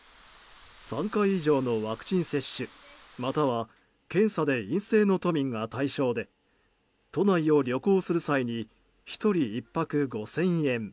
３回以上のワクチン接種または検査で陰性の都民が対象で都内を旅行する際に１人１泊５０００円